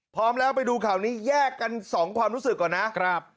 พร้อมแล้วไปดูข่าวนี้แยกกันสองความรู้สึกก่อนนะครับ